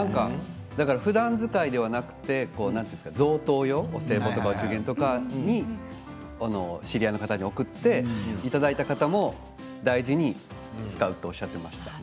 ふだん使いではなく贈答用、お歳暮とかお中元とかに知り合いの方に贈っていただいた方も大事に使うとおっしゃっていました。